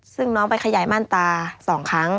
ซึ่งน้องไปขยายมั่นตา๒ครั้ง